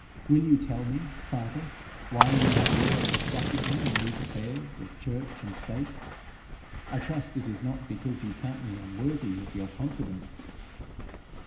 Will you tell me, father, why you have never instructed me in these affairs of church and state? I trust it is not because you count me unworthy of your confidence.'